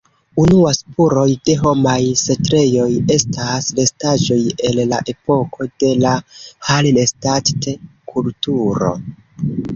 Unua spuroj de homaj setlejoj estas restaĵoj el la epoko de la Hallstatt-kulturo.